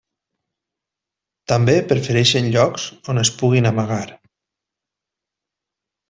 També prefereixen llocs on es puguin amagar.